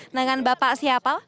dengan bapak siapa